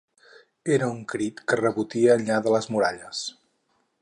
Era un crit que rebotia enllà de les muralles